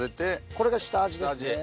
これが下味ですね。